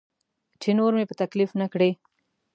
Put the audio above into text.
چې نور مې په تکلیف نه کړي.